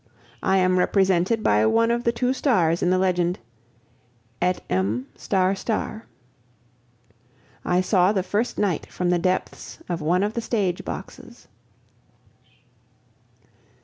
I am represented by one of the two stars in the legend: Et M . I saw the first night from the depths of one of the stage boxes.